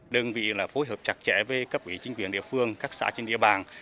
đơn vị là phối hợp chặt chẽ với các quỹ chính quyền địa phương các xã trên địa bàn